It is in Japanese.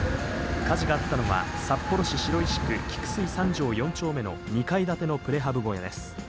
火事があったのは、札幌市白石区菊水３条４丁目の２階建てのプレハブ小屋です。